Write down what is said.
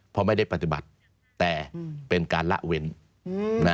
เพราะไม่ได้ปฏิบัติแต่เป็นการละเว้น